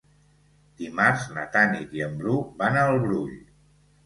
Dimarts na Tanit i en Bru van al Brull.